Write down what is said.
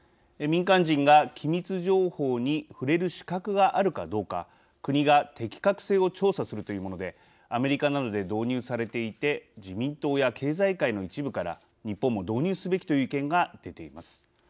民間人が機密情報に触れる資格があるかどうか国が適格性を調査するというものでアメリカなどで導入されていて自民党や経済界の一部から日本も導入すべきという意見が出ています。